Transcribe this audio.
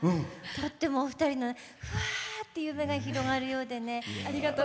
とってもお二人のふわっと夢が広がるようでね。